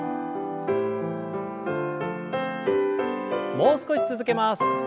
もう少し続けます。